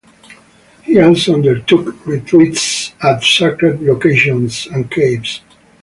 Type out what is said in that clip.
He also undertook retreats at sacred locations and caves.